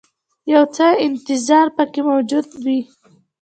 یو څه انتظار پکې موجود وي.